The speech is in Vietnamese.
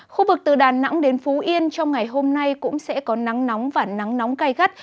khu vực từ đà nẵng đến phú yên trong ngày hôm nay cũng sẽ có nắng nóng và nắng nóng cay gắt